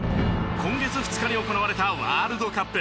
今月２日に行われたワールドカップ。